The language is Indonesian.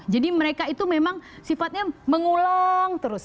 jadi mereka itu memang sifatnya mengulang terus